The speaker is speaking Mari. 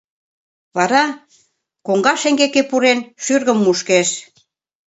Вара, коҥга шеҥгеке пурен, шӱргым мушкеш.